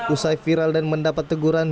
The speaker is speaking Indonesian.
usai viral dan mendapat teguran